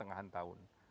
ini sudah setengah tahun